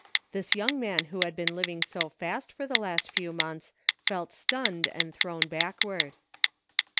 This young man who had been living so fast for the last few months, felt stunned and thrown backward.